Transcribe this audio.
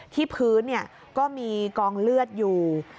ที่พื้นก็มีกองเลือดอยู่